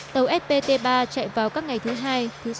tàu spt ba chạy vào các ngày thứ hai thứ sáu thứ bảy hàng tuần